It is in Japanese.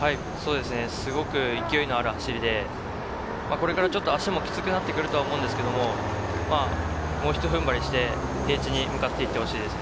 すごく勢いのある走りで、これからちょっと、足もきつくなってくると思うんですけど、もうひと踏ん張りして平地に向かって行ってほしいですね。